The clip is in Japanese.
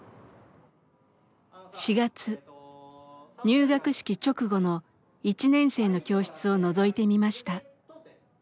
入学式直後の１年生の教室をのぞいてみました。